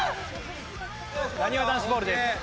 なにわ男子ボールです。